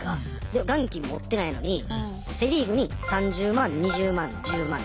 で元金持ってないのにセ・リーグに３０万２０万１０万で６０万円。